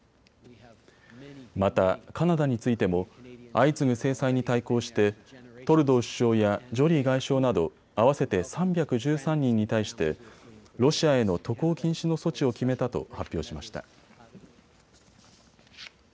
またカナダについても相次ぐ制裁に対抗してトルドー首相やジョリー外相など合わせて３１３人に対してロシアへの渡航禁止の措置を決めたと発表しました。